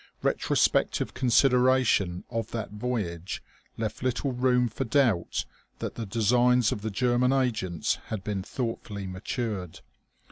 Retrospective consideration of that voyage left little room for doubt that the designs of the German agents had been thoughtfully matured.